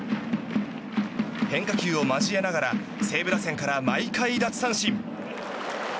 変化球を交えながら西武打線から毎回奪三振。